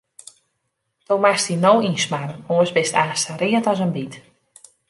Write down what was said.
Do moatst dy no ynsmarre, oars bist aanst sa read as in byt.